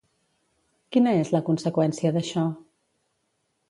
Quina és la conseqüència d'això?